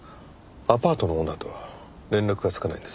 アパートのオーナーと連絡がつかないんです。